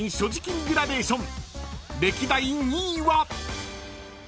［歴代２位は］